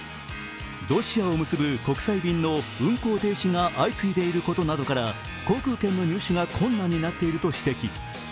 ロシアを結ぶ国際便の運航停止が相次いでいることなどから航空券の入手が困難になっていると指摘。